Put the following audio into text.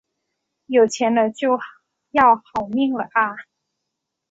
有钱了就要好命了啊